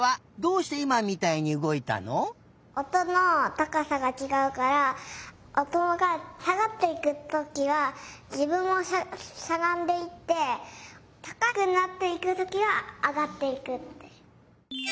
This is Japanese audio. おとのたかさがちがうからおとがさがっていくときはじぶんもしゃがんでいってたかくなっていくときはあがっていくって。